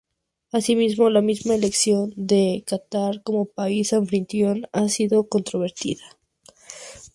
Asimismo, la misma elección de Catar como país anfitrión ha sido controvertida.